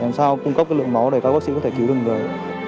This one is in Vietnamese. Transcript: để làm sao cung cấp cái lượng máu để các bác sĩ có thể cứu đừng đời